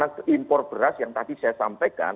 karena impor beras yang tadi saya sampaikan